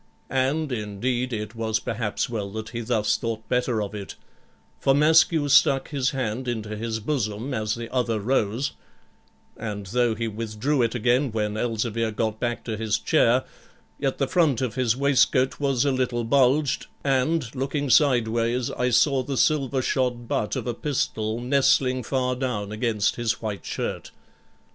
And, indeed, it was perhaps well that he thus thought better of it, for Maskew stuck his hand into his bosom as the other rose; and though he withdrew it again when Elzevir got back to his chair, yet the front of his waistcoat was a little bulged, and, looking sideways, I saw the silver shod butt of a pistol nestling far down against his white shirt.